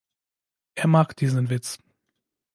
Er mag diesen Witz.